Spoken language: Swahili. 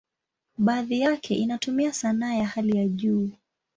Baadhi yake inatumia sanaa ya hali ya juu.